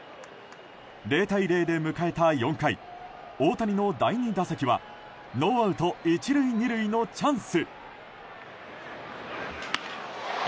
０対０で迎えた４回大谷の第２打席はノーアウト１塁２塁のチャンス。